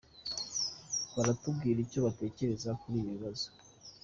baratubwira icyo batekereza kuri ibi bibazo.